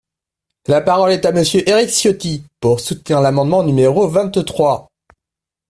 La parole est à Monsieur Éric Ciotti, pour soutenir l’amendement numéro vingt-trois.